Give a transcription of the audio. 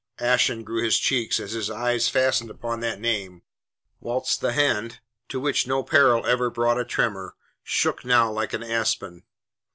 Ashen grew his cheeks as his eyes fastened upon that name, whilst the hand, to which no peril ever brought a tremor, shook now like an aspen.